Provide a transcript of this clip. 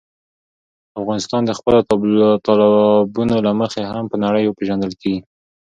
افغانستان د خپلو تالابونو له مخې هم په نړۍ پېژندل کېږي.